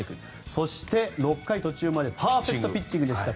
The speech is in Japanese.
そして、６回途中までパーフェクトピッチングでした。